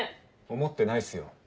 ⁉思ってないっすよ。